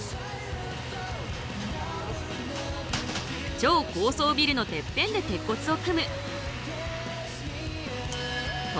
超高層ビルのてっぺんで鉄骨を組む。